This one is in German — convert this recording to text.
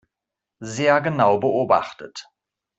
Sehr genau beobachtet.